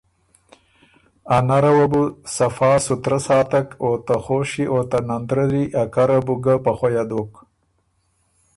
ا نره وه بُو صفا سُترۀ ساتک او ته خوشيې او ته نندرَرّی ا کره بو ګۀ په خؤیه دوک